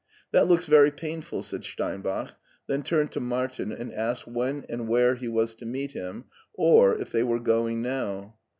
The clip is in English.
"That looks very painful," said Steinbach ; then turned to Martin and asked when and where he was to meet him, or if they were going now.